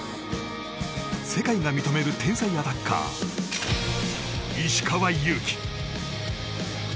世界が認める天才アタッカー石川祐希。